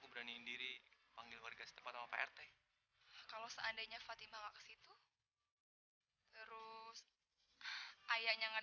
sampai jumpa di video selanjutnya